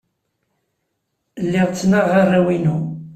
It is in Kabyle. Lliɣ ttnaɣeɣ arraw-inu.